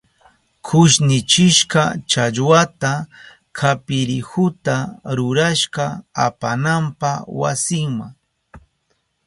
Kushnichishka challwata kapirihuta rurashka apananpa wasinma.